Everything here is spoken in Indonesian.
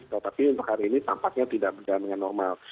tetapi untuk hari ini tampaknya tidak berjalan dengan normal